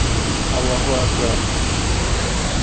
Аллаһу әкбәр.